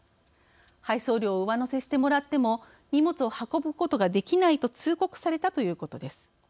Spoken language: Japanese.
配送料を上乗せしてもらっても荷物を運ぶことができないと通告されたということです。